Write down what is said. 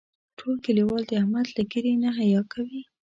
ټول کلیوال د احمد له ږیرې نه حیا کوي.